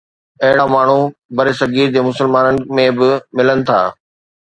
اهڙا ماڻهو برصغير جي مسلمانن ۾ به ملن ٿا.